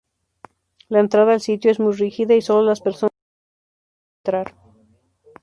La entrada al sitio es muy rígida, y sólo las personas autorizadas pueden entrar.